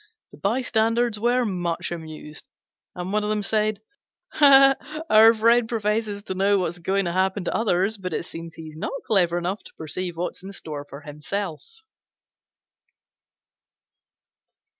The bystanders were much amused, and one of them said, "Our friend professes to know what is going to happen to others, but it seems he's not clever enough to perceive what's in store for himself."